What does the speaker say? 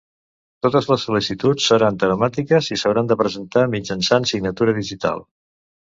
Totes les sol·licituds seran telemàtiques i s'hauran de presentar mitjançant signatura digital.